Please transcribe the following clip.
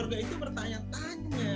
tidak yang pertama adalah